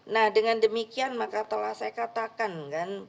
nah dengan demikian maka telah saya katakan kan